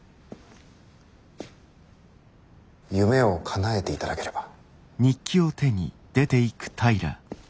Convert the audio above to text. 夢をかなえていただければ。